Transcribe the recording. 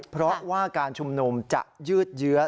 เพราะว่าการชุมนุมจะยืดเยื้อ